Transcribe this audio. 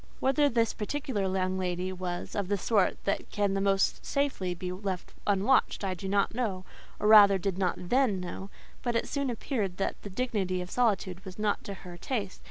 Whether this particular young lady was of the sort that can the most safely be left unwatched, I do not know: or, rather did not then know; but it soon appeared that the dignity of solitude was not to her taste.